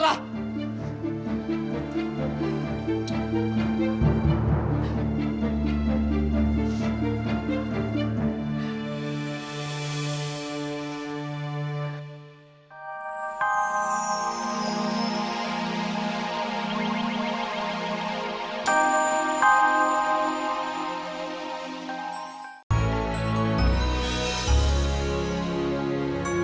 jadi alasan tanpa penelitian